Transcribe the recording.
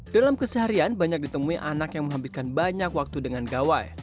dalam keseharian banyak ditemui anak yang menghabiskan banyak waktu dengan gawai